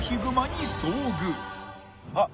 あっ！